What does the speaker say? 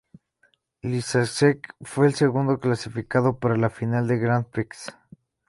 Lysacek fue el segundo clasificado para la final del Grand Prix.